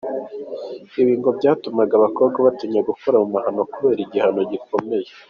Ibi ngo byatumaga abakobwa batinya gukora ayo mahano kubera igihano gikomeye.